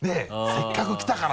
せっかく来たから！